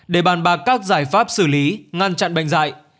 để bàn bạc các giải pháp xử lý ngăn chặn bệnh dạy